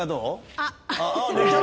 あっ。